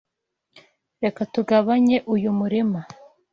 Reka tugabanye uyu murima.